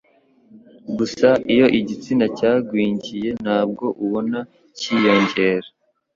Gusa iyo igitsina cyagwingiye ntabwo ubona kiyongera